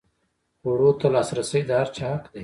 خوړو ته لاسرسی د هر چا حق دی.